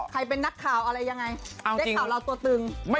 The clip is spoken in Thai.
ใครเป็นนักข่าวอะไรยังไงได้ข่าวเราตัวตึง